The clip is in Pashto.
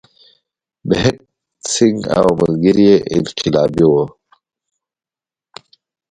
بهګت سینګ او ملګري یې انقلابي وو.